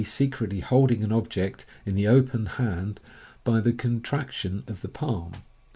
secretly holding an object in the open hand by the contraction of the palm.